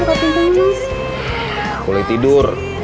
kan boleh tidur